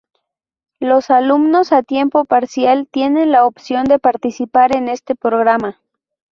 Los alumnos a tiempo parcial tienen la opción de participar en este programa.